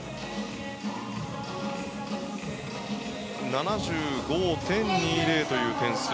７５．２０という点数。